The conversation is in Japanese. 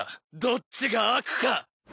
どっちが悪か！」